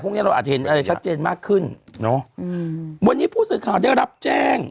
วันนี้ประสิทธิพูดสื่อข้าวได้รับแจ้ง